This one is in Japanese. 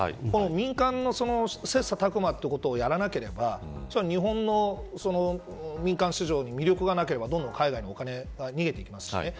民間の切磋琢磨ということをやらなければ日本の民間市場に魅力がなければどんどん海外にお金は逃げていきますしね。